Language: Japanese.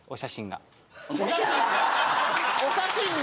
お写真が！？